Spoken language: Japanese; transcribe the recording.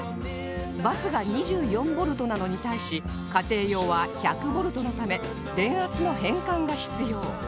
バスが２４ボルトなのに対し家庭用は１００ボルトのため電圧の変換が必要